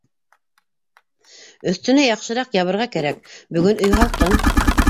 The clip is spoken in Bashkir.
- Өҫтөнә яҡшыраҡ ябырға кәрәк, бөгөн өй һалҡын.